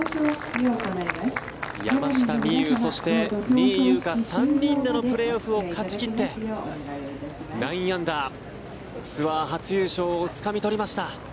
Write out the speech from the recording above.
山下美夢有、そして仁井優花３人でのプレーオフを勝ち切って９アンダー、ツアー初優勝をつかみ取りました。